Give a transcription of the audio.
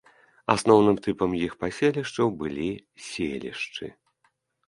Асноўным тыпам іх паселішчаў былі селішчы.